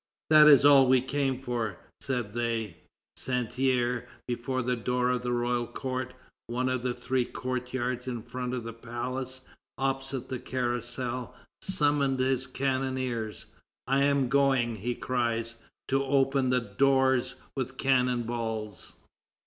"That is all we came for," say they. Santerre, before the door of the Royal Court one of the three courtyards in front of the palace, opposite the Carrousel summons his cannoneers. "I am going," he cries, "to open the doors with cannon balls."